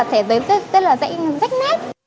thẻ tới tất là rách nét